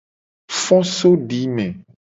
Fo so dime.